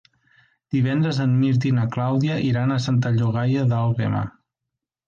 Divendres en Mirt i na Clàudia iran a Santa Llogaia d'Àlguema.